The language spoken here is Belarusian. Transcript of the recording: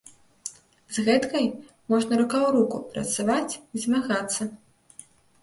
З гэткай можна рука ў руку працаваць і змагацца.